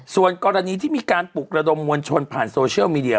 ส่วนกรณีที่มีการปลุกระดมมวลชนผ่านโซเชียลมีเดีย